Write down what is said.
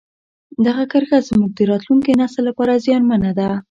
دغه کرښه زموږ د راتلونکي نسل لپاره زیانمنه ده.